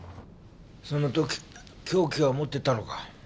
その時凶器は持ってたのか？